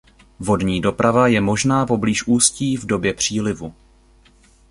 Vodní doprava je možná poblíž ústí v době přílivu.